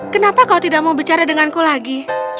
kenapa kau tidak mau bicara denganku lagi